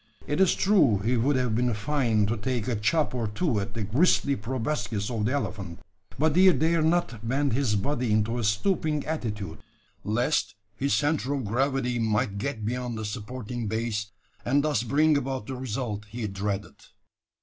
It is true he would have been fain to take a chop or two at the gristly proboscis of the elephant; but he dared not bend his body into a stooping attitude, lest his centre of gravity might get beyond the supporting base, and thus bring about the result he dreaded.